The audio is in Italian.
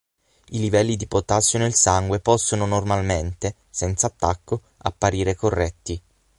I livelli di potassio nel sangue possono normalmente, senza attacco, apparire corretti.